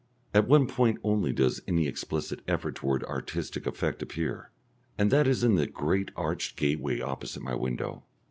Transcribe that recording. At one point only does any explicit effort towards artistic effect appear, and that is in the great arched gateway opposite my window.